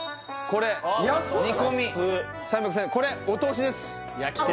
これお通しです